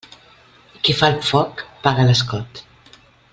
Qui fa el foc paga l'escot.